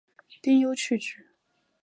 丁忧去职。